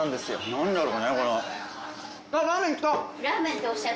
何だろうねこの。